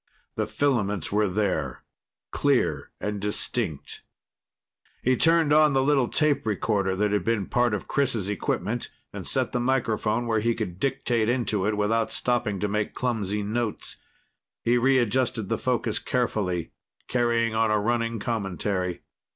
The filaments were there, clear and distinct. He turned on the little tape recorder that had been part of Chris' equipment and set the microphone where he could dictate into it without stopping to make clumsy notes. He readjusted the focus carefully, carrying on a running commentary.